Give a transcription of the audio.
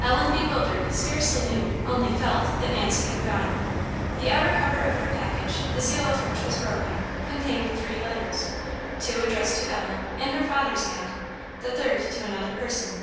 Ellen, bewildered, scarcely knew, only felt, that Nancy had gone. The outer cover of her package, the seal of which was broken, contained three letters; two addressed to Ellen, in her father's hand, the third to another person.